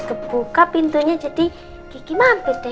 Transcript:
kebuka pintunya jadi kiki mampir deh